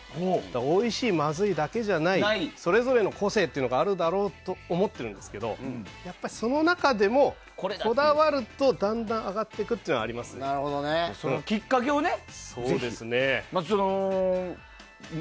おいしい、まずいだけじゃないそれぞれの個性があるだろうと思ってるんですけどやっぱりその中でも、こだわるとだんだん上がっていくというのはそのきっかけをぜひ。